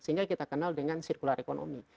sehingga kita kenal dengan sirkular ekonomi